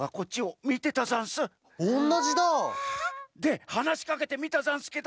おんなじだ！ではなしかけてみたざんすけど。